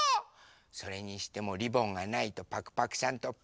それにしてもリボンがないとパクパクさんとパクこさん